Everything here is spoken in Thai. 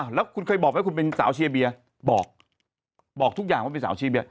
แล้วคุณเคยบอกไหมคุณเป็นสาวเชียร์เบียบอกทุกอย่างว่าเป็นสาวเชียร์เบีย